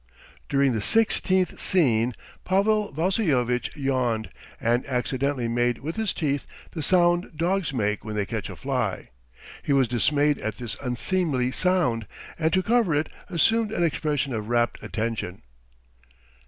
During the sixteenth scene Pavel Vassilyevitch yawned, and accidently made with his teeth the sound dogs make when they catch a fly. He was dismayed at this unseemly sound, and to cover it assumed an expression of rapt attention.